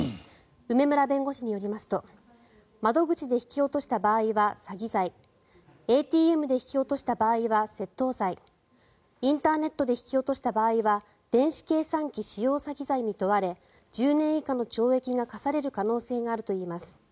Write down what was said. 梅村弁護士によりますと窓口で引き落とした場合は詐欺罪ＡＴＭで引き落とした場合は窃盗罪インターネットで引き落とした場合は電子計算機使用詐欺罪に問われ１０年以下の懲役が科される可能性があるといいます。